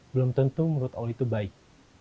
belum tentu menurut allah itu baik